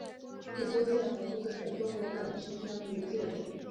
日租界和附近的中国管区宣布戒严。